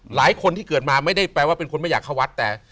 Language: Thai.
หลายคนที่เกิดมาไม่ได้แปลว่าเป็นคนไม่อยากเข้าวัดแต่